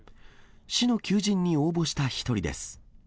市の求人に応募した一人です。